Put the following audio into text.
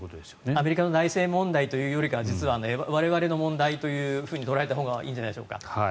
アメリカの内政問題というか実は我々の問題と捉えたほうがいいんじゃないでしょうか。